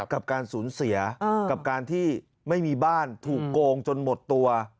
กับการสูญเสียกับการที่ไม่มีบ้านถูกโกงจนหมดตัว